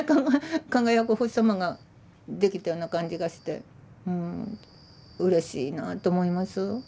輝くお星様ができたような感じがしてうんうれしいなと思います。